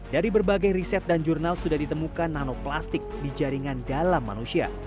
dari berbagai riset dan jurnal sudah ditemukan nanoplastik di jaringan dalam manusia